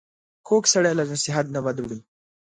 کوږ سړی له نصیحت نه بد وړي